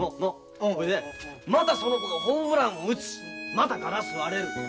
それでまたその子がホームランを打つまたガラス割れる。